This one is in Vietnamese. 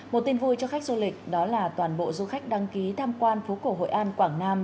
một tin vui cho khách du lịch đó là toàn bộ du khách đăng ký tham quan phố cổ hội an quảng nam